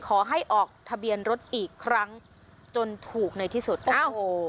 ขอให้ออกทะเบียนรถอีกครั้งจนถูกในที่สุดอ้าวโอ้โห